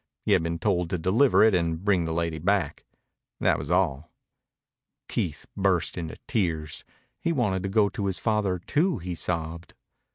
He had been told to deliver it and bring the lady back. That was all. Keith burst into tears. He wanted to go to his father too, he sobbed.